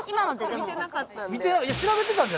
見てなかったんで。